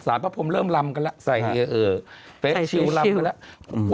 สารพระพรมเริ่มลำกันแล้วใส่เออเออใส่ชิลลำกันแล้ว